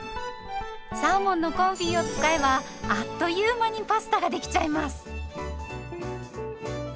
サーモンのコンフィを使えばあっという間にパスタができちゃいます。